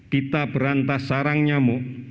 kita berantas sarang nyamuk